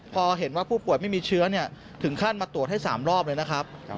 พอเห็นว่าผู้ป่วยไม่มีเชื้อถึงขั้นมาตรวจให้๓รอบเลยนะครับ